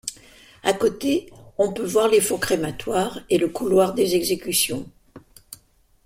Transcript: À côté, on peut voir les fours crématoires et le couloir des exécutions.